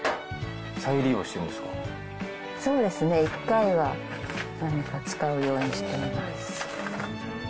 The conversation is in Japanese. そうですね、１回は何か使うようにしています。